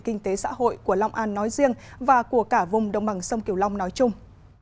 kinh tế xã hội của long an nói riêng và của cả vùng đồng bằng sông kiều long nói chung